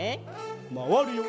まわるよ。